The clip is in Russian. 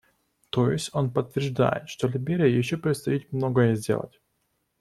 То есть, он подтверждает, что Либерии еще предстоит многое сделать.